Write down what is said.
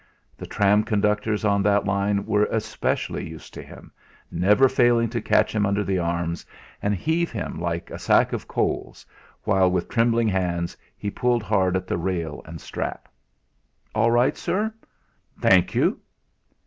The tram conductors on that line were especially used to him, never failing to catch him under the arms and heave him like a sack of coals, while with trembling hands he pulled hard at the rail and strap. "All right, sir?" "Thank you."